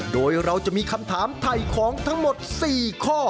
โดยเราจะมีคำถามไถ่ของทั้งหมด๔ข้อ